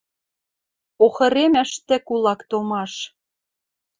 Охыремӓш тӹ кулак томаш.